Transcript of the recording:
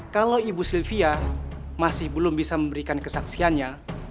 kalau ibu sylvia masih belum bisa memberikan kesaksiannya